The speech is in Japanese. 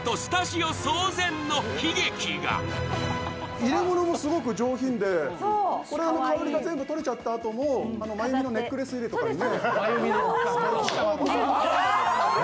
入れ物もすごく上品で、これ香りがとれちゃったあとも真由美のネックレス入れとかにね。